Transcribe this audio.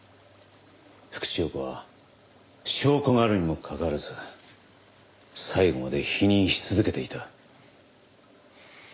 福地陽子は証拠があるにもかかわらず最後まで否認し続けていた。